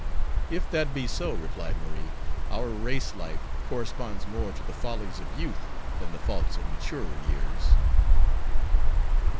"If that be so," replied Marie, "our race life corresponds more to the follies of youth than the faults of maturer years."